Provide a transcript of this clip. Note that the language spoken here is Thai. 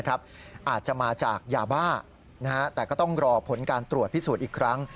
อาจจะมาจากยาบ้าแต่ก็ต้องรอผลการตรวจพิสูจน์อีกครั้ง